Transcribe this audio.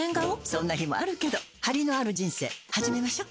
そんな日もあるけどハリのある人生始めましょ。